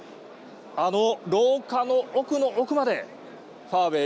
あの廊下の奥の奥までファーウェイ